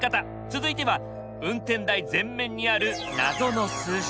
続いては運転台前面にある謎の数字。